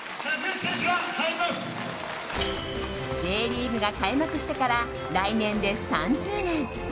Ｊリーグが開幕してから来年で３０年。